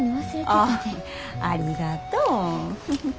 ああありがとう。